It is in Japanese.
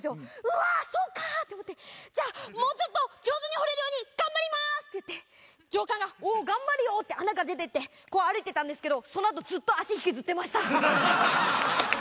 うわそっかって思って「じゃあもうちょっと上手に掘れるように頑張ります！」って言って上官が「おう頑張れよ」って穴から出ていってこう歩いてたんですけどそのあとなるほどな。